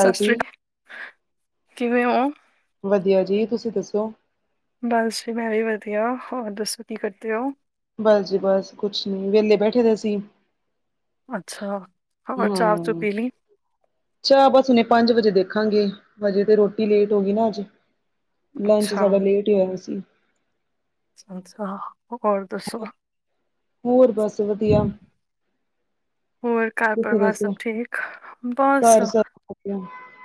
ਸਤਿ ਸ਼੍ਰੀ ਕਾਲ, ਕਿਵੇਂ ਓ? ਵਧੀਆ ਜੀ, ਤੁਸੀਂ ਦੱਸੋ? ਬਸ ਜੀ ਮੈਂ ਵੀ ਵਧੀਆ, ਹੋਰ ਦੱਸੋ ਕੀ ਕਰਦੇ ਓ? ਬਸ ਜੀ ਬਸ ਕੁਛ ਨੀ, ਵਿਹਲੇ ਬੈਠੇ ਦੇ ਸੀ ਅੱਛਾ। ਹੋਰ ਚਾਹ ਚੁ ਹਮ। ਪੀ ਲਈ ਚਾਹ ਬਸ ਹੁਨੇ ਪੰਜ ਵਜੇ ਦੇਖਾਂਗੀ, ਹਜੇ ਤੇ ਰੋਟੀ ਲੇਟ ਹੋ ਗਈ ਨਾ ਅੱਜ ਲੰਚ ਅੱਛਾ ਸਾਡਾ ਲੇਟ ਈ ਹੋਇਆ ਵ ਸੀ। ਅੱਛਾ, ਹੋਰ ਦੱਸੋ ਹੋਰ ਬਸ ਵਧੀਆ ਹੋਰ ਤੁਸੀਂ ਘਰ-ਪਰਿਵਾਰ ਸਭ ਦੱਸੋ? ਠੀਕ, ਬਸ ਘਰ ਸਭ ਵਧੀਆ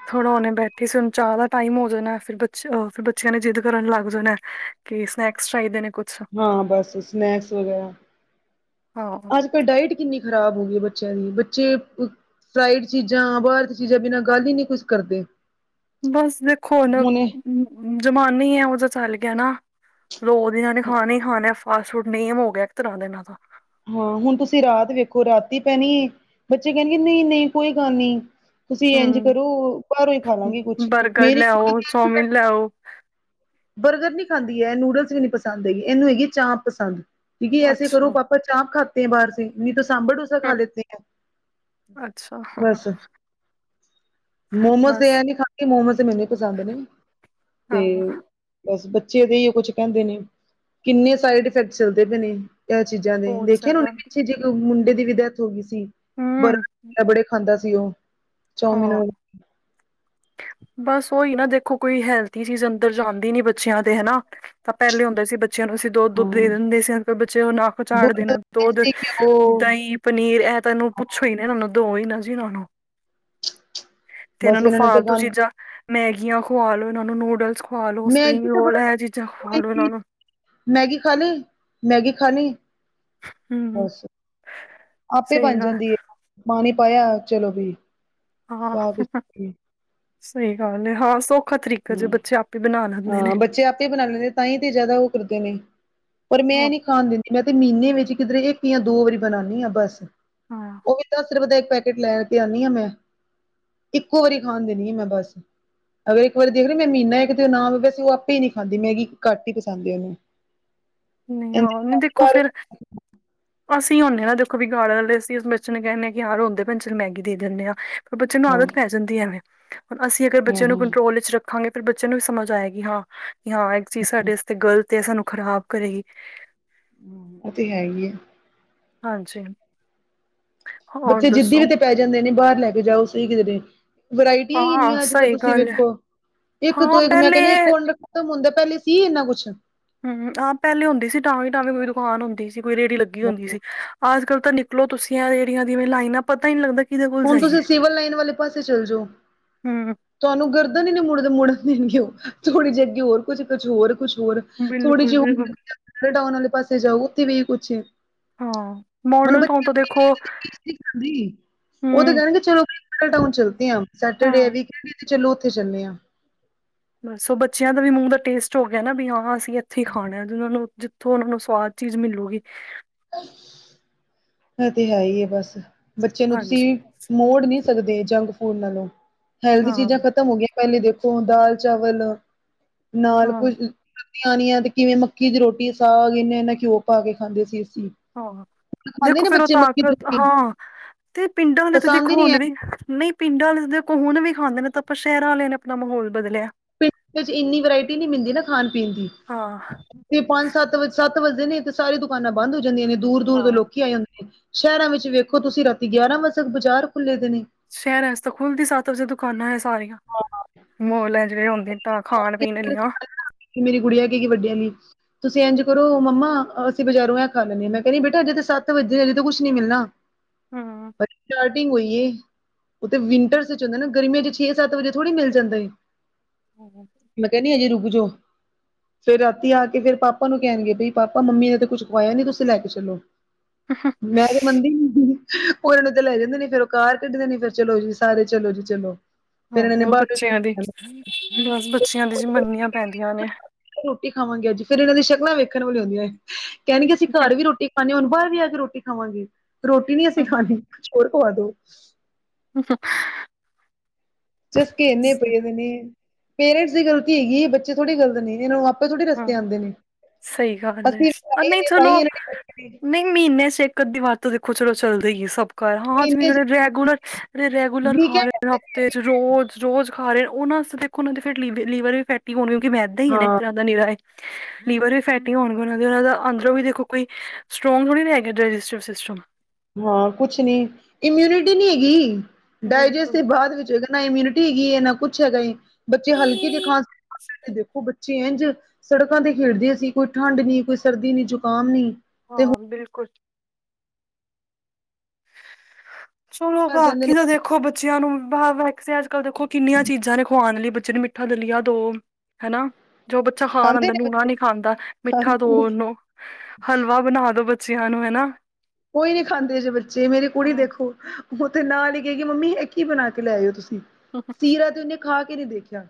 ਥੋੜ੍ਹਾ ਹੁਨੇ ਬੈਠੀ ਸੀ, ਹੁਣ ਚਾਹ ਦਾ ਟਾਈਮ ਹੋ ਜਾਣਾ ਫਿਰ ਬਚ ੳ ਫਿਰ ਬੱਚਿਆਂ ਨੇ ਜਿੱਦ ਕਰਨ ਲੱਗ ਜਾਣਾ ਕੀ ਸਨੈਕਸ ਚਾਹੀਦੇ ਨੇ, ਕ ਹਾਂ ਬਸ ਸਨੈਕਸ ਵਗੈਰਾ। ਹਾਂ ਅੱਜ ਏ ਡਾਇਟ ਕਿੰਨੀ ਖ਼ਰਾਬ ਗਈ ਏ ਬੱਚਿਆਂ ਦੀ, ਬੱਚੇ ਫਰਾਈਡ ਚੀਜ਼ਾਂ, ਬਾਰ ਦੀ ਚੀਜ਼ਾਂ ਬਿਨਾਂ ਗੱਲ ਹੀ ਨੀ ਕੁਛ ਕਰਦੇ ਬਸ ਦੇਖੋ ਹੁਣ, ਹੁਣੇ ਜ਼ਮਾਨਾ ਹੀ ਇਹੋ-ਜਿਹਾ ਚੱਲ ਗਿਆ ਨਾ ਰੋ ਰੇ ਹੈਂ ਏਨੇ ਖਾਨਾ ਹੀ ਖਾਨਾ ਫਾਸਟ ਫੂਡ, ਨੇਮ ਹੋ ਗਯਾ ਇਕ ਤਰਾ ਦਾ ਇਨਾ ਦਾ ਹਾਂ ਹੁਣ ਤੁਸੀਂ ਰਾਤ ਵੇਖੋ ਰਾਤੀ ਪੈਣੀ, ਬੱਚੇ ਕਹਿਣਗੇ ਨਹੀਂ- ਨਹੀਂ ਕੋਈ ਗੱਲ ਨੀ ਤੁਸੀਂ ਇੰਜ ਹਮ ਕਰੋ, ਬਾਹਰੋ ਹੀ ਖਾ ਲਾਂਗੀ ਕੁਛ। ਬਰਗਰ ਮੇਰੀ ਲੈ ਆਓ, ਚੌਮਿਨ ਲੈ [unintelligible] ਆਓ, ਬਰਗਰ ਨੀ ਖਾਂਦੀ ਇਹ, ਨੂਡਲਸ ਵੀ ਨੀ ਪਸੰਦ ਹੈਗੀ ਇਹਨੂੰ ਹੈਗੀ ਚਾਹ ਪਸੰਦ। ਕਿਉਕੀ ਐਸੇ ਕਰੋ ਅੱਛਾ। ਪਾਪਾ ਆਪ ਖਾਤੇ ਹੈਂ ਬਾਹਰ ਸੇ, ਨੀ ਤੂੰ ਸਾਂਭਰ ਡੋਸ [unintelligible] ਅੱਛਾ, ਬਸ ਮੋਮੋਸ ਤੇ ਬਸ ਇਹ ਨੀ ਖਾਂਦੀ, ਮੋਮੋਜ਼ ਤੇ ਮੈਨੂੰ ਪਸੰਦ ਨੇ। ਤੇ ਹਾਂ ਬਸ ਬੱਚੇ ਦੇ ਏਹੀੳ ਕੁਛ ਕਹਿੰਦੇ ਨੇ, ਕਿੰਨੇ ਸਾਈਡ ਇਫੈਕਟ ਚੱਲਦੇ ਪਏ ਨੇ ਇਹ ਚੀਜ਼ਾਂ ਨੇ ਬਹੁਤ ਵੇਖਿਆ ਨੀ ਹੁਣੀ, ਜ਼ਿਆਦਾ [unintelligible] ਪਿੱਛੇ ਜਦੋ ਮੁੰਡੇ ਦੀ ਵੀ ਡੈਥ ਹੋ ਗਈ ਸੀ ਹੂੰ, ਬੜੇ [inaudible] ਖਾਂਦਾ ਸੀ ਉਹ, ਚੌਮਿਨ ਹਾਂ। ਬਸ ਉਹੀ ਨਾ ਦੇਖੋ ਕੋਈ ਹੈਲਥੀ ਚੀਜ਼ ਅੰਦਰ ਜਾਂਦੀ ਨੀ ਬੱਚਿਆਂ ਦੇ ਹਨਾ ਤਾਂ ਪਹਿਲੇ ਹੁੰਦਾ ਸੀ ਬੱਚਿਆਂ ਨੂੰ ਸਿਧ ਦੋਧ-ਦੂੱਧ ਹਾਂ। ਦੇ ਦਿੰਦੇ ਸੀ, ਅੱਜ-ਕੱਲ੍ਹ ਬੱਚੇ ਉਹ ਨੱਕ ਚਾੜ ਦੁੱਧ, ਦੇਣਾ। ਦੁੱਧ, ਦੇਸੀ ਘਿਓ ਦਹੀਂ ਪਨੀਰ ਇਹ ਤਾਂ ਇਹਨੂੰ ਪੁੱਛੋ ਹੀ ਨਾ, ਇਹਨਾਂ ਨੂੰ ਦੋ ਹੀ ਨਾ ਜੀ ਇਹਨਾਂ ਨੂੰ ਤੇ ਇਨਾਂ ਬਸ ਨੂੰ ਇਹਨਾਂ ਨੇ ਤੇ ਫਾਲ ਗੰਦ ਮੈਗੀਆਂ ਖਵਾ ਲੋ, ਇਨਾ ਨੂੰ ਨੂਡਲਸ ਖਵਾ ਲੋ, ਸਪਰਿੰਗ ਮੈਗੀ ਤਾਂ ਰੋਲ ਬੜਾ ਐ ਚੀਜ਼ਾਂ ਖਵਾ ਲੋ ਇਨਾਂ ਨੂੰ ਮੈਗੀ ਖਾਲੇ, ਮੈਗੀ ਖਾਨੀ ਹੂੰ। ਬਸ, ਆਪੇ ਸਹੀ ਬਣ ਗੱਲ ਜਾਂਦੀ ਏ, ਪਾਣੀ ਪਾਇਆ ਚਲੋ ਵੀ ਹਾਂ, ਚਾਹ ਪੀਤੀ। ਸਹੀ ਗੱਲ ਏ ਹਾਂ ਸੌਖਾ ਤਰੀਕਾ ਜੇ ਹੂੰ। ਬੱਚੇ ਆਪੇ ਬਣਾ ਲੈਂਦੇ ਨੇ। ਹਾਂ ਬੱਚੇ ਆਪੇ ਬਣਾ ਲੈਂਦੇ, ਤਾਂ ਹੀ ਤੇ ਜਾਦਾ ਓ ਕਰਦੇ ਨੇ ਪਰ ਮੈਂ ਹੋਰ ਨੀ ਖਾਣ ਦਿੰਦੀ। ਮੈਂ ਤੇ ਮਹੀਨੇ ਵਿੱਚ ਕਿਧਰੇ ਇੱਕ ਜਾਂ ਦੋ ਵਾਰੀ ਬਣਾਂਨੀ ਆਂ ਬਸ, ਹਾਂ। ਉਹ ਵੀ ਦਸ ਰੁਪਏ ਦਾ ਇੱਕ ਪੈ ਲੈ ਕੇ ਆਨੀ ਆ ਮੈਂ ਇੱਕੋ ਵਾਰੀ ਖਾਣ ਦਿੰਨੀ ਆ ਮੈਂ ਬਸ ਇੱਕ ਵਾਰੀ ਦੇਖ ਲਿਆ ਮੈਂ ਮਹੀਨਾ ਨਾਲ ਓਦੇ ਸੀ ਇੱਕ ਨਾ ਵੈਸ ਉਹ ਆਪੇ ਹੀ ਨੀ ਖਾਂਦੀ ਮੈਗੀ ਘਟ ਹੀ ਪਸਦ ਉਹਨੂੰ। ਨਈ ਹਾਂ ਨਈ ਦੇਖੋ ਫੇਰ ਅਸੀ ਹੋਨੇ ਆ ਨਾ ਦੇਖੋ ਵਿਗਾਰਡਨ ਵਾਲੇ ਅਸੀਂ ਉਸ ਬੱਚੇ ਨੂੰ ਕੇਂਨੈ ਆ ਕਿ ਰੌਂਦੇ ਪਏ ਨੇ ਚਲ ਮੈਗੀ ਦੇ ਦਿੰਨੇ ਆਂ। ਬੱਚੇ ਨੂੰ ਆਦਤ ਪੈ ਜਾਂਦੀ ਐਵੇ, ਹੁਣ ਅਸੀਂ ਅਗਰ ਹਾਂ ਬੱਚੇ ਹਾਂ ਨੂੰ ਕੰਟਰੋਲ ਵਿੱਚ ਰੱ ਰਖਾਂਗੇ ਫਿਰ ਬੱਚੇ ਨੂੰ ਵੀ ਸਮਝ ਆਏਗੀ ਹਾਂ ਕਿ ਹਾਂ ਇੱਕ ਚੀਜ਼ ਸਾਡੇ ਵਾਸਤੇ ਗਲ ਤੇ ਸਾਨੂੰ ਖ਼ਰਾਬ ਕਰੇਗੀ। ਹਮ ਇਹ ਤੇ ਹੈ ਹੀ ਆ। ਹਾਂਜੀ। ਹੋਰ ਬੱਚੇ ਜਿੱਦੀ ਵੀ ਦੱਸੋ ਤੇ ਪੈ ਜਾਂਦੇ ਨੇ ਬਾਹਰ ਕੇ ਜਾਓ ਸਹੀ ਕਿਦਰੇ ਵਰਾਇਟੀਆਂ ਹੀ ਹਾਂ ਇੰਨੀਆਂ ਅੱਜ-ਕੱਲ ਸਹੀ ਤੁਸੀਂ ਗੱਲ ਹੈ ਵੇਖੋ, ਇੱਕ ਤੋਂ ਹਾਂ ਇੱਕ ਮੈਂ ਕਹਿੰਨੀ ਪਹਿਲੇ ਹਾਂ ਤਾਂ ਹੁਨ ਤੋਂ ਪਹਿਲੇ ਸੀ ਇੰਨਾ ਕੁਛ ਹਮ ਆਹ ਪਹਿਲੇ ਹੁੰਦੀ ਸੀ ਟਾਵੀ-ਟਾਵੀ ਕੋਈ ਦੁਕਾਨ ਹੁੰਦੀ ਸੀ, ਕੋਈ ਰੇੜੀ ਲੱਗੀ ਹੁੰਦੀ ਸੀ। ਅੱਜ-ਕੱਲ ਤਾਂ ਨਿਕਲੋ ਤੁਸੀਂ ਅਹ ਰੇੜੀਆ ਦੀਵੇਂ ਲਾਈਨਾਂ ਪਤਾ ਹੀ ਨੀ ਲੱਗਦਾ ਕਿਹਦੇ ਕੋਲ ਹੁਣ ਜਾਈਏ। ਤੁਸੀਂ ਸਿਵਲ ਲਾਈਨ ਵਾਲੇ ਪਾਸੇ ਚੱਲ ਜਾਓ ਹੂੰ, ਤੁਹਾਨੂੰ ਗਰਦਾ ਹੀ ਨੀ ਮੁੜ ਦੇ ਮੁੜਨ ਦੇਗੇ ਉਹ ਥੋੜੀ ਜੀ ਅੱਗੇ ਹੋਰ ਕੁਛ-ਕੁਛ ਹੋਰ-ਕੁਛ ਹੋਰ ਥੋੜੀ ਜਿਹੀ ਉਹ ਬਿਲਕੁਲ-ਬਿਲਕੁਲ। ਮਾਡਲ ਟਾਊਨ ਵਾਲੇ ਪਾਸੇ ਜਾਓਥ ਵੀ ਕੁਛ ਐ। ਹਾਂ ਮੋਡਲ ਟਾਊਨ ਤਾਂ ਦੇਖੋ ਤੇ ਫੀਸ ਨਹੀਂ ਖਾਂਦੀ। ਉਹ ਤਾਂ ਹੂੰ, ਕਹਿਣਗੇ ਚਲੋ ਮਾਡਲ ਟਾਊਨ ਚੱਲਤੇ ਐ ਹਮ, ਸੈਟਰਡੇ ਆ ਹਾਂ ਵੀ ਕਹਿੰਣਗੇ ਚਲੋ ਉੱਥੇ ਚੱਲੇ ਆ। ਬੱਸੋ ਬੱਚਿਆਂ ਦਾ ਮੂੰਹ ਦਾ ਟੇਸਟ ਹੋ ਗਿਆ ਨਾ ਵੀ ਹਾਂ ਅਸੀਂ ਇੱਥੇ ਹੀ ਖਾਣਾ ਜਿਹਨਾਂ ਨੂੰ ਜਿ ਥੋਂ ਉਹਨਾ ਨੂੰ ਸਵਾਦ ਚੀਜ਼ ਮਿਲੂਗੀ। ਇਹ ਤੇ ਹੈ ਹੀ ਹੈ ਬਸ ਬੱਚੇ ਨੂੰ ਹਾਂਜੀ, ਤੁਸੀਂ ਮੋੜ ਨਹੀਂ ਸਕਦੇ ਜੰਕ ਫੂਡ ਨਾਲੋਂ ਹੈਲਦੀ ਹਾਂ, ਚੀਜ਼ਾਂ ਖਤਮ ਹੋ ਗਈਆਂ ਪਹਿਲੇ ਦੇਖੋ ਦਾਲ-ਚਾਵਲ ਨਾਲ ਹਾਂ, ਕੋਈ ਸਰਦੀਆਂ ਆਣੀਆਂ ਤੇ ਕਿਵੇਂ ਮੱਕੀ ਦੀ ਰੋਟੀ ਸਾਗ ਇਨਾਂ-ਇਨਾਂ ਘਿਓ ਪਾ ਕੇ ਖਾਂਦੇ ਸੀ ਅਸੀਂ। ਹਾਂ। ਖਾਂਦੇ ਦੇਖੋ ਨੇ ਫਿਰ ਉਹ ਬੱਚੇ ਮੱਕੀ ਦੀ ਤਾਕਤ ਰੋਟੀ ਹਾਂ, ਤੇ ਪਿੰਡਾਂ ਵਾਲੇ ਤੇ ਪਸੰਦ ਹੀ ਦੇਖੋ ਨਹੀਂ ਹੈ ਹੁਣ ਵੀ ਨਹੀਂ ਪਿੰਡਾਂ ਵਾਲੇ ਦੇਖੋ ਹੁਣ ਵੀ ਖਾਂਦੇ ਨੇ ਇਹ ਤਾਂ ਆਪਾਂ ਸ਼ਹਿਰਾਂ ਵਾਲਿਆਂ ਨੇ ਆਪਣਾ ਮਾਹੌਲ ਬਦਲਿਆਂ। ਪਿੰਡ ਵਿੱਚ ਇੰਨੀ ਵਰਾਇਟੀ ਨਹੀਂ ਮਿਲਦੀ ਨਾ ਖਾਣ ਪੀਣ ਦੀ। ਹਾਂ, ਤੇ ਪੰਜ-ਸੱਤ ਵ ਸੱਤ ਵੱਜਦੇ ਨੇ ਤੇ ਸਾਰੀ ਦੁਕਾਨਾਂ ਬੰਦ ਹੋ ਜਾਂਦੀਆਂ ਨੇ। ਦੂਰ-ਦੂਰ ਦੇ ਹਾਂ। ਲੋਕੀ ਆ ਜਾਂਦੇ ਨੇ। ਸ਼ਹਿਰਾਂ ਵਿੱਚ ਵੇਖੋ ਤੁਸੀਂ ਰਾਤੀ ਗਿਆਰਾਂ ਵਜੇ ਤੱਕ ਬਾਜ਼ਾਰ ਖੁੱਲੇ ਦੇ ਨੇ। ਸ਼ਹਿਰਾਂ ਚ ਤਾਂ ਖੁੱਲਦੀ ਸੱਤ ਵਜੇ ਦੁਕਾਨਾਂ ਐ ਸਾਰੀਆਂ। ਮੋਲ ਹੈ ਜਿਵੇਂ ਆਉਦੇ ਨੇ ਤਾਂ ਖਾਣ-ਪੀਣ ਆਲੀਆ। ਮੇਰੀ ਗੁੜੀਆਂ ਕੇਗੀ ਵੱਡੀ ਆਲੀ। ਤੁਸੀਂ ਇੰਝ ਕਰੋ ਮੰਮਾ ਅਸੀਂ ਬਜ਼ਾਰੋਂ ਐ ਖਾ ਲੈਂਦੇ ਹਾਂ, ਮੈਂ ਕਹਿਣੀ ਬੇਟਾ ਅਜੇ ਤਾਂ ਸੱਤ ਵੱਜਦੇ ਅਜੇ ਤਾਂ ਕੁਛ ਨੀ ਮਿਲਣਾ। ਹੂੰ ਅੱਛਾ। ਕੁੜੀ ਹੋਈ ਹ। ਉਹ ਤਾਂ ਵਿੰਟਰਸ ਚ ਹੁੰਦਾ ਨਾ ਗਰਮੀਆਂ ਚ ਛੇ ਸੱਤ ਵਜੇ ਥੜੀ ਮਿਲ ਜਾਂਦਾ ਏ। ਹਮ। ਮੈਂ ਕਹਿਣੀ ਹਜੇ ਰੁਕ ਜੋ। ਫਿਰ ਰਾਤੀ ਆ ਕੇ ਫਿਰ ਪਾਪਾ ਨੂੰ ਕਹਿਣਗੇ ਬਈ ਪਾਪਾ ਮੰਮੀ ਨੇ ਤੇ ਕੁਛ ਖਵਾਇਆ ਨੀ ਤੁਸੀਂ ਲੈ ਕੇ ਚਲੋ। [inaudible] [inaudible] ਮੈਂ ਤੇ ਮਨਦੀ ਨੀ, ਓਹਨਾ ਨੂੰ ਤੇ ਲੈ ਜਾਂਦੇ ਨੇ ਫੇਰ ਓਹ ਕਾਰ ਕੱਢਦੇ ਨੇ ਫੇਰ ਚਲੋ ਜੀ ਸਾਰੇ ਚਲੋ ਜੀ ਚਲੋ। ਫੇਰ ਹਾਂ ਇਹਨਾਂ ਨੇ ਹੋਰ ਬੱਚਿਆਂ ਦੀ ਬਾਹਰੋਂ ਬਸ ਬੱਚਿਆਂ ਦੀ ਜੀ ਮੰਨੀਆਂ ਪੈਂਦੀਆਂ ਨੇ। ਰੋਟੀ ਖਾਵਾਂਗੇ ਅੱਜ, ਫੇਰ ਐਹਨਾਂ ਦੀ ਸ਼ਕਲਾਂ ਵੇਖਣ ਵਾਲੀਆਂ ਹੁੰਦੀਐ। ਕੈਣਗੇ ਅਸੀਂ ਘਰ ਵੀ ਰੋਟੀ ਖਾਣੇ ਆਂ, ਹੁਣ ਬਾਰ ਵੀ ਆ ਕੇ ਰੋਟੀ ਖਾਵਾਂਗੇ। ਰੋਟੀ ਨੀ ਅਸੀਂ ਖਾਣੀ, ਹੋਰ ਖਵਾ ਦੋ। ਹੂੰਹੂੰ। ਚਸਕੇ ਏਨੇ ਪਏ ਦੇ ਨੇ। ਪੇਰੈਂਟਸ ਦੀ ਗਲਤੀ ਹੈਗੀ ਏ। ਬੱਚੇ ਥੋੜੀ ਗਲਤੀ ਨੇ, ਏਹਨਾਂ ਨੂੰ ਆਪੇ ਥੋੜੇ ਰਸਤੇ ਹਾਂ ਆਂਦੇ ਨੇ। ਸਹੀ ਗੱਲ ਏ, ਅਸੀਂ ਵੀ ਅਰ ਆਏ ਨਹੀਂ ਨੇ ਤਾਂ ਹੀ ਚਲੋ, ਇਹਨਾਂ ਨਹੀਂ ਮੀਨੇ ਚ ਏਕ-ਅੱਧੀ ਵਾਰ ਤਾ ਦੇਖੋ ਚਲੋ ਚੱਲਦਾ ਈ ਏ, ਸਭ ਕਰ ਹਾਂ ਜਿਵੇਂ ਨੇ ਜੇੜੇ ਰੇਗੂਲਰ ਰੇਗੂਲਰ ਖਾ ਰੇ ਤੇ ਰੋਜ਼, ਰੋਜ਼ ਖਾ ਰੇ ਨੇ ਓਹਨਾਂ ਅਸਤੇ ਦੇਖੋ ਨਾ ਓਨਾਦੇ ਫਿਰ ਲੀਵ ਲੀਵਰ ਵੀ ਫੈਟੀ ਹੋਣ ਕਿਉਂਕਿ ਮੈਦਾ ਈ ਏ ਨਾ ਹਾਂ ਇੱਕ ਤਰ੍ਹਾਂ ਮੈਦਾ ਨੀਰਾਂ ਏ। ਲੀਵਰ ਵੀ ਫੈਟੀ ਹੋਣਗੇ ਓਹਨਾਂ ਦੇ, ਓਹਨਾਂ ਦਾ ਅੰਦਰੋਂ ਵੀ ਦੇਖੋ ਕੋਈ ਸਟਰ੍ਰੋਂਗ ਥੋੜੀ ਨਾ ਹੈਗਾ, ਡਾਇਜੈਸਟਿਵ ਸਿਸਟਮ। ਹਾਂ, ਕੁਛ ਨੀ ਇਮਿਊਨਿਟੀ ਨੀ ਹੈਗੀ। ਡਾਇਜੈਸਟ ਤੇ ਬਿਲਕੁਲ ਬਾਦ ਵਿੱਚ ਹੋਏਗਾ। ਨਾ ਇਮਯੂਨਿਟੀ ਹੈਗੀ ਏ, ਨਾ ਕੁਛ ਹੈਗਾ ਏ, ਬੱਚੇ ਹਲਕੇ ਜ ਖਾ ਦੇਖੋ ਬੱ ਚੇਂ ਐੰਜ ਸੜਕਾਂ ਤੇ ਖੇਡਦੇ ਸੀਂ, ਕੋਈ ਠੰਢ ਨੀ, ਕੋਈ ਸਰਦੀ ਨੀ, ਜ਼ੁਕਾਮ ਨੀ। ਤੇ ਹੁਣ ਹਾਂ, ਬਿਲਕੁਲ। ਚਲੋ, ਘਰ ਜਾਂਦੇ ਨੇ ਬਾਕੀ ਦਾ ਦੇਖ ਦੇਖੋ ਬੱਚਿਆਂ ਨੂੰ ਬਾ ਵੈਸੇ ਅੱਜ-ਕੱਲ ਦੇਖੋ ਕਿੰਨੀਆਂ ਚੀਜ਼ਾਂ ਨੇ ਖਵਾਣ ਆਲੀ ਬੱਚੇ ਨੂੰ ਮਿੱਠਾ ਦਲੀਆ ਦੋ। ਹਨਾ। ਜੋ ਬੱਚਾ ਖਾ ਖਾਂਦੇ ਲੈਂਦਾ ਨੇ ਨੂਣਾ ਬੱਚੇ ਨੀ ਖਾਂਦਾ, ਮਿੱਠਾ ਦੋ ਖਾਂਦੇ ਨੀ ਓਨੂੰ। ਹਲਵਾ ਬਣਾ ਦੋ ਬੱ ਚਿਆਂ ਨੂੰ ਹਨਾ। ਕੋਈ ਨੀਂ ਖਾਂਦੇ ਜੇ ਬੱਚੇ ਮੇਰੀ ਕੁੜੀ ਹਾਂ ਦੇਖੋ। ਓਹ ਤੇ ਨਾਲ ਹੀ ਕਏਗੀ ਮੰਮੀ ਐਹ ਕੀ ਬਣਾ ਕੇ ਲੈਆਏ ਓ ਤੁਸੀਂ, ਸੀਰਾ ਤੇ ਓਹਨੇ ਖਾ ਕੇ ਨੀ ਦੇਖਿਆ।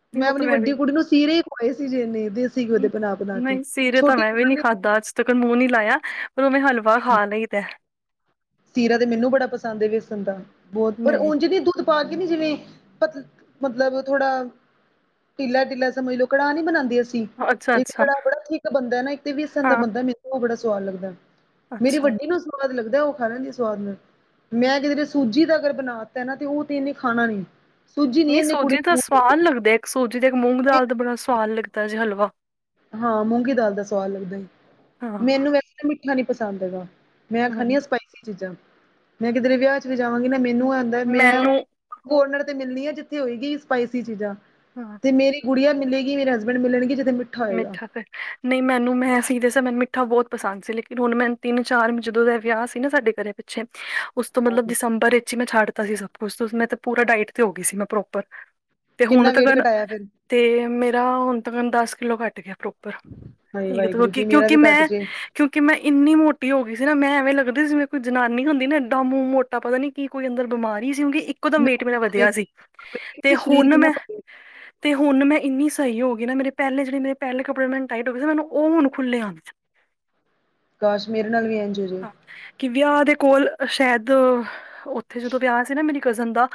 ਨਹੀਂ ਮੈਂ ਉਹ ਅਪਣੀ ਤਾਂ ਵੱਡੀ ਵੀ ਕੁੜੀ ਨੂੰ ਸੀਰੇ ਈ ਖਵਾਏ ਸੀ ਜੀ ਏਨੇ ਦੇਸੀ ਘਿਓ ਦੇ ਬਣਾ-ਬਣਾ ਕੇ, ਛੋਟੀ ਨੀ ਖਾਦੀ। ਤਕਣ ਮੂੰਹ ਨੀ ਲਾਇਆ ਪਰ ਓਨੇ ਹਲਵਾ ਖਾ ਲਈਦੈ। ਸੀਰਾ ਤੇ ਮੈਨੂੰ ਬੜਾ ਪਸੰਦ ਏ ਵੇਸਣ ਦਾ ਬੌਤ ਪਰ ਨਹੀਂ ਉੰਝ ਨੀ ਦੋਧ ਪਾਕੇ ਨੀ ਜਿਵੇਂ ਪਤ ਮਤਲਬ ਥੋੜਾ ਢਿੱਲਾ-ਢਿੱਲਾ ਸਮਝ ਲੋ ਕੜਾਹ ਨੀ ਬਨਾਂਦੇ ਅਸ ਤੀ, ਅੱਛਾ ਇਕ ਅੱਛਾ ਕੜ੍ਹਾ ਬੜਾ ਥੀਕ ਬਣਦੈ ਨਾ, ਇੱਕ ਤੇ ਵੇਸਣ ਦਾ ਹਾਂ ਬਣਦੈ, ਮੈਨੂੰ ਓਹ ਬੜਾ ਸਵਾਦ ਲੱਗਦੈ। ਮੇਰੀ ਅੱਛਾ ਵੱਡੀ ਨੂੰ ਸਵਾਦ ਲੱਗਦੈ ਓਹ। ਖਾ ਲੈਂਦੀ ਏ ਸਵਾਦ ਨਾਲ, ਮੈਂ ਕਿਧਰੇ ਸੂਜੀ ਦਾ ਅਗਰ ਬਣਾ ਤੈ ਨਾ ਤੇ ਓਹ ਤੇ ਏਹਨੇ ਖਾਣਾ ਨੀਂ। ਨੀ ਸੂਜੀ ਦਾ ਸਵਾਦ ਲੱਗਦੈ। ਏਕ ਸੂਜੀ ਦਾ, ਇੱਕ ਮੂੰਗ ਦਾਲ ਦਾ ਬੜਾ ਸਵਾਦ ਲੱਗਦੈ ਜੇ ਹਲਵਾ। ਹਾਂ, ਮੂੰਗੀ ਦਾਲ ਦਾ ਸਵਾਦ ਲੱਗਦੈ ਈ। ਹਾਂ ਮੈਨੂੰ ਵੈਸੇ ਤੇ ਮਿੱਠਾ ਨੀ ਪਸੰਦ ਹੈਗਾ। ਮੈਂ ਖਾਣੀ ਹਮ, ਆਂ ਸਪਾਈਸੀ ਚੀਜ਼ਾਂ, ਮੈਂ ਕਿਧਰੇ ਵਿਆਹ ਚ ਵੀ ਜਾਵਾਂਗੀ ਨਾ ਮੈਨੂੰ ਐ ਹੂੰਦੈ ਮੈਂ ਮੈਨੂੰ ਕੋਰਨਰ ਤੇ ਮਿਲਣੀ ਆ ਜਿੱਥੇ ਹੋਏਗੀ ਈ ਸਪਾਈਸੀ ਚੀਜ਼ਾਂ। ਹਾਂ। ਤੇ ਮੇਰੀ ਗੁਡੀਆ ਮਿਲੇਗੀ ਮੇਰੇ ਹਸਬੈਂਡ ਮਿਲਣਗੇ ਜਿੱਦੇ ਮਿ ਮਿੱਠਾ ਪਐ। ਨਹੀਂ ਮੈਨੂੰ ਮੈਂ ਸੀ ਦੇ ਸਾ ਮੈਨੂੰ ਮਿੱਠਾ ਬੌਤ ਪਸੰਦ ਸੀ ਲੇਕਿਨ ਹੁਣ ਮੈਂਨ ਤਿੰਨ-ਚਾਰ ਜਦੋਂ ਦਾ ਐਹ ਵਿਆਹ ਸੀ ਨਾ ਸਾਡੇ ਘਰੇ ਛੇ ਉਸ ਤੋਂ ਮਤਲਬ ਦਸੰਬਰ ਏਚ ਈ ਮੈਂ ਛੱਡ ਤਾ ਸੀ ਸਭ ਕੁਛ, ਤੇ ਉਸ ਮੈ ਤੇ ਪੂਰਾ ਡਾਇਟ ਤੇ ਹੋ ਗਈ ਸੀ ਮੈਂ ਪ੍ਰੋਪਰ। ਤੇ ਹੁਣ ਕਿੰਨਾ ਵੇਟ ਤਕਨ ਘਟਾਇਆ ਫਿਰ ਤੇ ਮੇਰਾ ਹੁਣ ਤਕਨ ਦਸ ਕਿਲੋ ਘੱਟ ਗਿਐ ਪ੍ਰੋਪਰ। ਹਾਏ ਏਕ ਤਾਂ ਵਾਹਿਗੁਰੂ ਕਿਉਂਕਿ, ਜੀ ਮੇਰਾ ਕਿਉਂਕਿ ਵੀ ਘੱਟ ਮੈਂ ਜੇ ਕਿਉਂਕਿ ਮੈਂ ਇੰਨੀ ਮੋਟੀ ਹੋ ਗੀ ਸੀ ਨਾ ਮੈਂ ਐਵੇਂ ਲੱਗਦੀ ਸੀ ਮੈ ਕੋਈ ਜਨਾਨੀ ਹੁੰਦੀ ਨਾ ਇੱਡਾ ਮੂੰਹ ਮੋਟ ਮੋਟਾ ਪਤਾ ਨੀ, ਕੀ ਕੋਈ ਅੰਦਰ ਬਿਮਾਰੀ ਹੀ ਸੀ। ਕਿਉਂਕ ਇੱਕ ਇੱਕਦਮ ਵੇਟ ਮੇਰਾ ਮੈਂ ਵਧਿਆ ਸੀ। ਤੇ ਸਰੀਰ ਹੁਣ ਕਿੰਨਾ ਮੈਂ ਪਤਲਾ, ਤੇ, ਹੁਣ ਮੈਂ ਇੰਨੀ ਸਹੀ ਹੋ ਗਈ ਨਾ ਮੇਰੇ ਪਹਿਲੇ ਜਿਹੜੇ ਪਹਿਲੇ ਕੱਪੜੇ ਮੈਨੂੰ ਟਾਈਟ ਹੋਏ ਸੀ। ਮੈਨੂੰ ਉਹ ਹੁਣ ਖੁੱਲੇ ਆਉਂਣ ਤ। ਕਾਸ਼ ਮੇਰੇ ਨਾਲ ਵੀ ਐਂਜ ਹੋ ਜੇ। ਕੀ ਵਿਆਹ ਦੇ ਕੋਲ ਸ਼ਾਇਦ, ਉੱਥੇ ਜਦੋਂ ਵਿਆਹ ਸੀ ਨਾ ਮੇਰੀ ਕਜ਼ਨ ਦਾ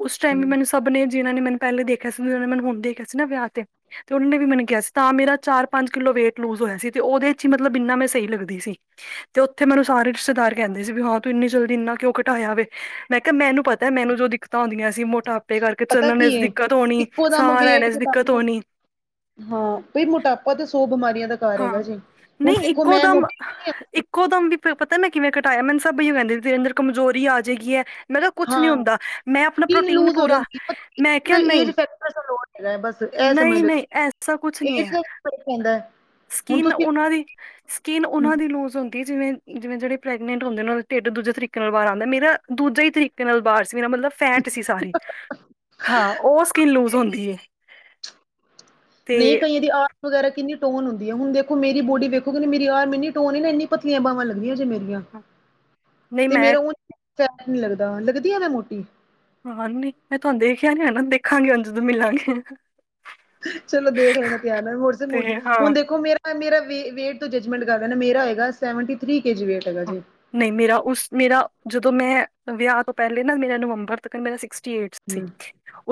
ਉਸ ਟਾਈਮ ਵੀ ਮੈਨੂੰ ਸਭ ਨੇ ਜਿਹਨਾਂ ਨੇ, ਮੈਨੂੰ ਪਹਿਲੇ ਦੇਖਯਾ ਸੀ ਜ ਨੇ ਮੈ ਹੁਣ ਦੇਖਯਾ ਸੀ। ਨਾ ਵਿਆਹ ਤੇ ਉਹ ਨੇ ਵੀ ਮੈਨੂੰ ਕਿਹਾ ਸੀ, ਤਾਂ ਮੇਰਾ ਚਾਰ, ਪੰਜ ਕਿਲੋ ਵੇਟ ਲੂਜ ਹੋਇਆ ਸੀ। ਤੇ ਉਹਦੇ ਚ ਹੀ ਮਤਲਬ ਇੰਨਾ ਮੈਂ ਸਹੀ ਲੱਗਦੀ ਸੀ। ਤੇ ਉੱਥੇ ਮੈਨੂੰ ਸਾਰੇ ਰਿਸ਼ਤੇਦਾਰ ਕਹਿੰਦੇ ਸੀ, ਵੀ ਹਾਂ ਤੂੰ ਇੰਨੀ ਜਲਦੀ ਇੰਨਾ ਕਿਉਂ ਘਟਾਇਆ ਵੇ। ਮੈਂ ਕਿਹਾ ਮੈਨੂੰ ਪਤਾ ਮੈਨੂੰ ਜੋ- ਦੀ ਦਿੱਕਤਾਂ ਆਉਂਦੀਆਂ ਸੀ, ਮੋਟਾਪੇ ਕਰਕੇ ਪਤਾ ਚੱਲਣ ਚ ਕੀ ਹੈ ਦਿੱਕਤ ਹੋਣੀ, ਇੱਕੋ ਦਮ ਸਾਹ ਵੇਟ ਲੈਣੇ ਚ ਘਟਾ ਦਿੱਕਤ ਹੋਣੀ। ਹਾਂ, ਬਈ ਮੋਟਾਪਾ ਤੇ ਸੌ ਬਿਮਾਰੀਆਂ ਦਾ ਘਰ ਹਾਂ, ਹੈਗਾ ਜੀ ਹੁਣ ਨਹੀਂ ਦੇਖੋ ਮੈਂ ਇੱਕੋਦਮ ਮੋਟੀ ਇੱਕੋ ਦਮ ਵੀ ਪਤਾ ਮੈਂ ਕਿਵੇਂ ਘਟਾਇਆ। ਮੈਨੂੰ ਸਭ ਅਇਉ ਕਹਿੰਦੇ ਤੇਰੇ ਅੰਦਰ ਕਮਜ਼ੋਰੀ ਆ ਜਾਏਗੀ ਹੈ। ਮੈਂ ਕਿਹਾ ਕੁਛ ਨੀ ਹਾਂ ਹੁੰਦਾ। ਮੈਂ ਆਪਣਾ ਸਕਿਨ ਪ੍ਰੋਟੀਨ ਲੂਜ ਹੋ ਪੂਰਾ, ਜਾਂਦੀ ਮੈਂ ਕਿਆ ਏ, ਏਜ ਨਹੀਂ ਫੈਕਟਰ ਲੋਡ ਹੈਗਾ ਬਸ ਨਹੀਂ-ਨਹੀਂ ਐਸਾ ਕੁਛ ਨਹੀਂ ਹੈ। ਫਰਕ ਪੈਂਦਾ ਐ [unintelligible] ਕੀਨ ਉਹਨਾਂ ਦੀ ਸਕੀਨ ਹੂੰ, ਉਹਨਾਂ ਦੀ ਲੂਜ ਹੁੰਦੀ ਆ। ਜਿਵੇਂ-ਜਿਵੇਂ ਜਿਹੜੇ ਪ੍ਰੈਗਨੈਂਟ ਹੁੰਦੇ ਨੇ, ਢਿੱਡ ਦੂਜੇ ਤਰੀਕੇ ਕਰਵਾ ਆਂਦਾ। ਮੇਰਾ ਦੂਜਾ ਹੀ ਤਕੀਕ ਨਾਲ ਬਾਹਰ ਸੀ, ਮੇਰਾ ਮਤਲਬ ਫੈਟ ਸੀ। ਸਾਰੀ, ਹਾਂ ਉਹ ਸਕਿਨ ਲੂਜ ਹੁੰਦੀ ਏ। ਨਹੀਂ ਕਈਆਂ ਦੀ ਆ ਵਗੈਰਾ ਕਿੰਨੀ ਟੋਨ ਹੁੰਦੀ ਐ। ਹੁਣ ਦੇਖੋ ਮੇਰੀ ਬੋਡੀ ਵਗੇਰਾ ਕਿਨੀ ਟੋਨ ਹੁੰਦੀ, ਹੁਣ ਦੇਖੋ ਬੋਡੀ ਵੇਖੋਗੇ, ਮੇਰੀ ਆ ਮੇਰੀ ਇੰਨੀ ਟੋਨ ਏ ਨਾ ਇੰਨੀ ਪਤਲੀਆਂ ਬਾਵਾ ਲੱਗਦੀਆਂ ਜੇ। ਮੇਰੀਆਂ। ਨਹੀਂ ਤੇ ਮੈਂ ਮੇਰਾ ਹੁਣ ਟਾਈਮ ਨੀ ਲੱਗਦਾ। [unintelligible] ਲੱਗਦੀਆਂ ਏ ਮੋਟੀ ਹਾਂ, ਨੀ ਮੈਂ ਤੁਹਾਨੂੰ ਦੇਖਿਆ ਨਹੀਂ ਆ ਨਾ, ਦੇਖਾਂਗੇ ਜਦੋਂ ਮਿਲਾਂਗੇ। ਚਲੋ ਦੇਖ ਲੈਣਾ ਧਿਯਾਨ ਨਾਲ ਤੇ [unintelligible] ਹਾਂ ਹੁਣ ਦੇਖੋ ਮੇਰਾ ਮੇਰਾ ਵ ਵੇਟ ਤੋਂ ਜੱਜਮੈਂਟ ਕਰ ਲੇਨਾ। ਮੇਰਾ ਹੈਗਾ seventy three K- G weight ਹੈਗਾ ਹਾਂ, ਜੇ ਨਹੀਂ ਮੇਰਾ ਉਸ ਮੇਰਾ, ਜਦੋਂ ਮੈਂ ਵਿਆਹ ਤੋਂ ਪਹਿਲੇ ਨਾ, ਮੇਰਾ ਨਵੰਬਰ ਤੱਕ ਮੇਰਾ ਸਿਕਸਟੀ ਏਟ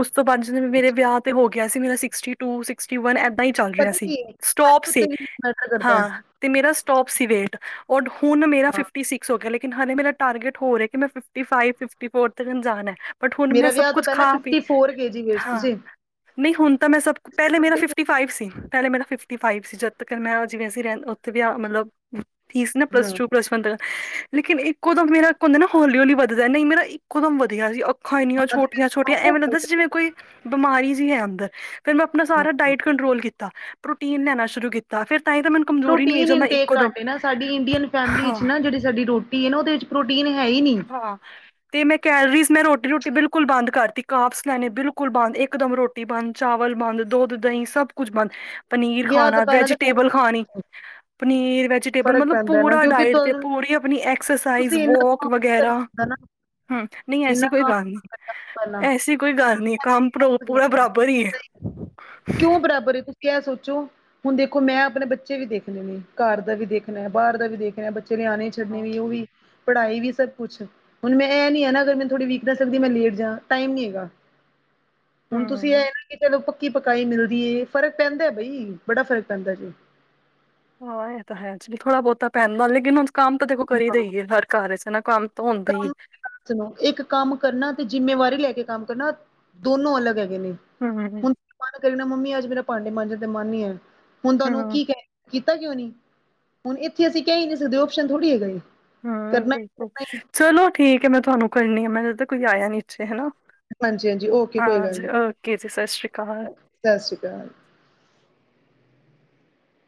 ਉਸ ਤੋਂ, ਪੰਜ ਦਿਨ ਮੇਰੇ ਵਿਆਹ ਤੇ ਹੋ ਗਿਆ ਸੀ। ਮੇਰਾ ਸਿਕਸਟੀ ਟੂ ਸਿਕਸਟੀ ਵਨ, ਏਦਾਂ ਹੀ ਚੱਲ ਰਿਹਾ ਪਤਾ ਸੀ। ਕੀ ਏ ਸਟੌਪ ਹਾਈਟ ਉੱਤੇ ਸੀ ਵੀ ਮੈਟਰ ਕਰਦਾ ਹੈ, ਹਾਂ, ਤੇ ਮੇਰਾ ਸਟੋਪ ਸੀ ਵੇਟ ਉਹ ਹੁਣ ਮੇਰਾ ਹਾਂ ਫਿਫਟੀ ਸਿਸਕ ਹੋ ਗਿਆ ਆ। ਹਲੇ ਮੇਰਾ ਟਾਰਗੇਟ ਹੋਰ ਏ, ਮੈਂ ਫਿਫਟੀ ਫਾਵੀਵ ਫਿਫਟੀ ਫੋਰ ਤੱਕ ਜਾਣਾ। ਬਟ ਹੁਣ ਮੈਂ ਮੇਰਾ ਸਭ ਵਿਆਹ ਤੋਂ ਕੁਛ ਪਹਿਲਾਂ ਖਾ ਪੀ fifty four K G weight ਸੀ ਹਾਂ, ਜੀ। ਨਹੀਂ ਹੁਣ ਤਾਂ ਮੈਂ ਸਭ ਪਹਿਲੇ ਮੇਰਾ ਸੈਵਨਟੀ ਫਿਫਟੀ ਫੋਰ ਫਾਈਵ ਸੀ। ਪਹਿਲੇ ਮੇਰਾ ਫਿਫਟੀ ਫਾਈਵ ਸੀ। ਜਦ ਤੱਕ ਮੈਂ ਜਿਵੇਂ, ਅਸੀਂ ਰਹ ਉੱਥੇ ਵੀ ਆ ਮਤਲਬ ਫੀਸ ਨਾ ਹਾਂ ਪਲੱਸ ਟੂ, ਹਾਂ ਪਲੱਸ ਵਨ, ਦਾ ਲੇਕਿਨ ਇੱਕ ਨਹੀਂ ਮੇਰਾ ਇੱਕੋਦਮ ਵਧੀਆ ਸੀ। ਖਾਣੀਆਂ, ਉਹ ਤੇ ਮੇਰਾ ਛੋਟੀਆਂ-ਛੋਟੀਆਂ ਐਵੇਂ ਲੱਗਦਾ ਸੀ। ਜਿਵੇਂ ਕੋਈ ਬਿਮਾਰੀ ਜੀ ਐ ਅੰਦਰ, ਫਿਰ ਮੈਂ ਆਪਣਾ ਸਾਰਾ ਡਾਇਟ ਕੰਟਰੋਲ ਕੀਤਾ, ਪ੍ਰੋਟੀਨ ਲੈਣਾ ਸ਼ੁਰੂ ਕੀਤਾ। ਫਿਰ ਤਾਂਈ ਤਾਂ ਮੈਨੂੰ ਕਮਜ਼ੋਰੀ ਨਹੀਂ ਪ੍ਰੋਟੀਨ ਆਈ। ਮੈਂ ਇਨਟੇਕ ਇੱਕੋਦਮ- ਘੱਟ ਏ ਨਾ ਸਾਡੀ ਇੰਡੀਅਨ ਫੈਮਿਲੀ ਵਿੱਚ ਨਾ, ਜਿਹੜੀ ਸਾਡੀ ਰੋਟੀ ਐ ਨਾ, ਉਹਦੇ ਵਿੱਚ ਪ੍ਰੋਟੀਨ ਹੈ ਈ ਨਹੀਂ ਹਾਂ। ਤੇ ਮੈਂ ਕੈਲਰੀਜ਼, ਮੈਂ ਰੋਟੀ-ਰੋਟੀ ਬਿਲਕੁਲ ਬੰਦ ਕਰਤੀ, ਕਾਪਸ ਲੈਣੇ ਬਿਲਕੁਲ ਬੰਦ, ਇਕ ਦਮ ਰੋਟੀ ਰੋਟੀ ਬੰਦ, ਚਾਵਲ ਬੰਦ, ਦੁੱਧ ਦਹੀਂ ਸਭ ਕੁਛ ਬੰਦ ਪਨੀਰ ਵਿਆਹ ਤੋਂ ਖਾਣਾ, ਪਹਿਲਾਂ ਤਾਂ ਵੈਜੀਟੇਬਲ ਖਾਣੀ, ਪਨੀਰ ਵੈਜੀ ਟੇਬਲ ਫ਼ਰਕ ਮਤਲਬ ਪੈਂਦਾ ਨਾ ਪੂਰਾ ਕਿਉਂਕਿ ਡਾਇਟ ਤੇ, ਤੁਹਾਨੂੰ ਪੂਰੀ ਆਪਣੀ ਐਕਸਰਸਾਈਜ਼ ਤੁਸੀਂ ਇੰਨਾ ਵੋਕ ਕੰਮ ਨੀ ਕਰਨਾ ਵਗੈਰਾ, ਹੁੰਦਾ ਨਾ ਹੂੰ ਨਹੀਂ ਇੰਨਾ ਐਸੀ ਕੋਈ ਗੱਲ ਨਹੀਂ। ਕੰਮ ਪਹਿਲਾਂ ਐਸੀ ਕੋਈ ਗੱਲ ਨਹੀਂ, ਕੰਮ ਪੂਰਾ ਬਰਾਬਰ ਈ ਐ। ਕਿਉਂ ਬਰਾਬਰ ਏ ਤੁਸੀਂ ਐ ਸੋਚੋ ਹੁਣ ਦੇਖੋ ਮੈਂ ਆਪਣੇ ਬੱਚੇ ਵੀ ਦੇਖਨੇ ਨੇ ਕਾਰ ਦਾ ਵੀ ਦੇਖਣਾ ਬਾਹਰ ਦਾ ਵੀ ਦੇਖਣਾ ਬ ਤੇ ਨਿਆਣੇ ਛੱਡਣੇ ਵੀ ਓ ਵੀ ਪੜ੍ਹਾਈ ਵੀ ਸਭ ਕੁਛ ਹੁਣ ਮੈਂ ਐ ਨੀ ਐ ਨਾ ਅਗਰ ਮੈਨੂੰ ਥੋੜੀ ਵੀਕ ਨੈਸ ਆਂਦੀ ਏ, ਮੈਂ ਲੇਟ ਜਾ ਟਾਈਮ ਨੀ ਐਗਾ। ਹੁਣ ਤੁਸੀਂ ਐ ਨਾ ਕਿ ਚਲੋ ਪੱਕੀ-ਪਕਾਈ ਮਿਲਦੀ ਏ ਫ਼ਰਕ ਪੈਂਦਾ ਬਈ ਬੜਾ ਫਰਕ ਪੈਂਦਾ ਜੇ ਹਾਂ ਐ ਤਾਂ ਹੈ ਚ ਵੀ ਥੋੜਾ-ਬੋਹਤਾ ਪੈਦਾ ਲੇਕਿਣ ਕੰਮ ਤਾਂ ਦੇਖੋ ਕਰੀ ਦਾ ਹਾਂ। ਈ ਏ ਹਰ ਕਾਰ ਚ ਹੈਨਾ ਕੰਮ ਤਾਂ ਹੁੰਦਾ ਈ ਏ। ਕੰਮ ਸੁਣੋ ਇੱਕ ਕੰਮ ਕਰਨਾ ਤੇ ਜਿੰਮੇਵਾਰੀ ਲੈ ਕੇ ਕੰਮ ਕਰਨਾ ਦੋਨੋ ਅਲੱਗ ਹੈਗੇ ਨੇ। ਹੂੰ-ਹੂੰ। ਹੁਣ ਮਨ ਕਰੇ ਨਾ ਮੰਮੀ ਅੱਜ ਮੇਰਾ ਭਾਂਡੇ ਮਾਂਜਣ ਦਾ ਮਨ ਨੀ ਐ ਹੁਣ ਤਾਨੂੰ ਓ ਹਮ ਕੀ ਕੈ ਕੀਤਾ ਕਿਉਂ ਨੀ ਹੁਣ ਏਥੇ ਅਸੀਂ ਕੈ ਈ ਨੀ ਸਕਦੇ ਓਪਸ਼ਨ ਥੋੜ੍ਹੀ ਹੈਗਾ ਏ। ਹੂੰ ਕਰਨਾ ਹੀ ਬਿਲਕੁੱਲ ਕਰਨਾ ਏ ਚਲੋ ਠੀਕ ਏ। ਮੈਂ ਤੁਆਨੂੰ ਕਰਨੀ ਆ ਮੈਂਨੂੰ ਲੱਗਦਾ ਕੋਈ ਆਇਆ ਨੀਚੇ ਹੈਨਾ ਹਾਂਜੀ ਹਾਂਜੀ ਓਕੇ ਹਾਂਜੀ ਓਕੇ ਜੀ ਸਾ ਸ਼੍ਰੀ ਕਾਲ। ਸਾਸਰੀਕਾਲ।